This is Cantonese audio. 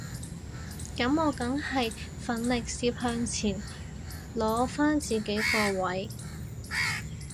噉我梗係奮力攝向前攞返自己個位